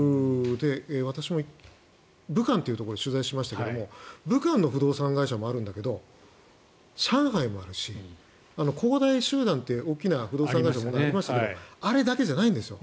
私も武漢というところに取材しましたが武漢の不動産会社もあるんだけど上海もあるし恒大集団という大きな不動産会社ありますけどあれだけじゃないんですよ。